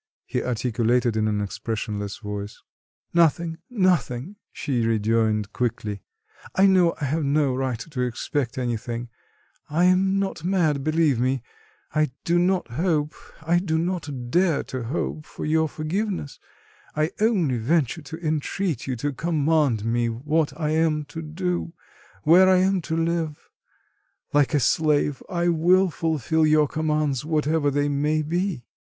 he articulated in an expressionless voice. "Nothing, nothing," she rejoined quickly, "I know I have no right to expect anything; I am not mad, believe me; I do not hope, I do not dare to hope for your forgiveness; I only venture to entreat you to command me what I am to do, where I am to live. Like a slave I will fulfil your commands whatever they may be."